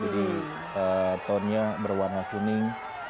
jadi tone nya berwarna kuning